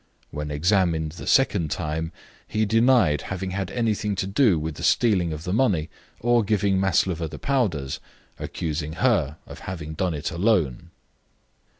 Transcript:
When examined the second time he denied having had anything to do with the stealing of the money or giving Maslova the powders, accusing her of having done it alone."